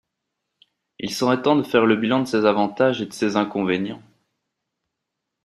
Il serait temps de faire le bilan de ses avantages et de ses inconvénients.